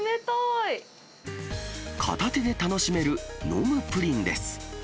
片手で楽しめる飲むプリンです。